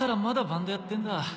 まだバンドやってんだ。